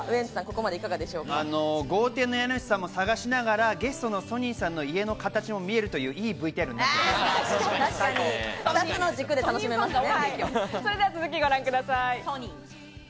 豪邸の家主さんを探しながらゲストのソニンさんの家の形も見えるという、いいＶＴＲになってそれでは続き、ご覧ください。